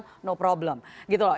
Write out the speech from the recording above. tidak ada masalah